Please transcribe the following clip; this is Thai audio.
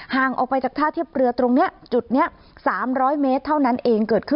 หางต้องไปจากท่าที่บเรือตรงนี้จุดเนี้ย๓๐๐เมตรเท่านั้นเอง